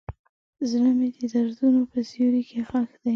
زړه مې د دردونو په سیوري کې ښخ دی.